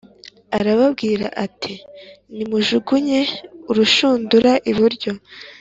Arababwira ati nimujugunye urushundura iburyo